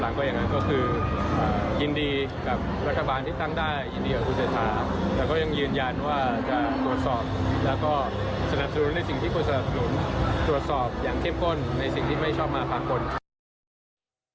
แล้วก็สนับสนุนด้วยสิ่งที่กว่าสนับสนุนตรวจสอบอย่างเข้มข้นในสิ่งที่ไม่ชอบมาภักดิ์คน